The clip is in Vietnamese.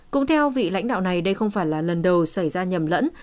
cũng theo vị lãnh đạo này đây không phải là lần đầu xảy ra nhầm lẫn